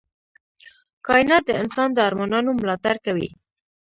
کائنات د انسان د ارمانونو ملاتړ کوي.